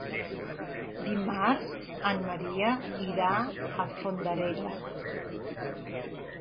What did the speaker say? Dimarts en Maria irà a Fondarella.